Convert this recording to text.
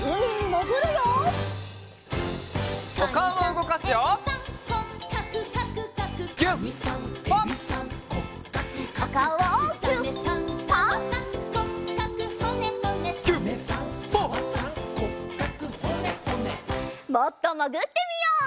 もっともぐってみよう。